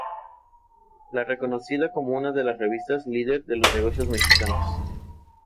Su tesis fue Estructuras de Álgebra Generalizada.